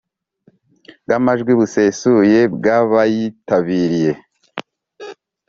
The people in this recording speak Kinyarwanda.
bw amajwi busesuye bw abayitabiriye